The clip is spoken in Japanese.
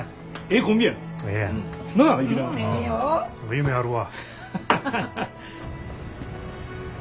夢あるわ。